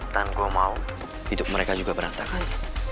dan gue mau hidup mereka juga berantakan